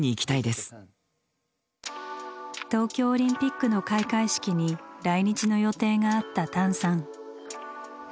東京オリンピックの開会式に来日の予定があったタンさん。